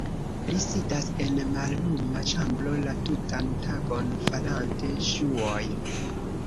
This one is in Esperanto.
Li sidas en malluma ĉambro la tutan tagon farante ŝuojn.